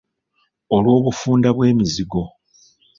Olw’obufunda bw’emizigo.